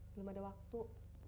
belum ada waktu